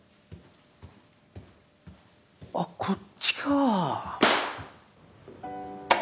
あっこっちか。